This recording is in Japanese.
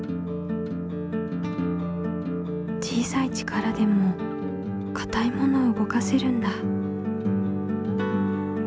小さい力でもかたいものを動かせるんだ。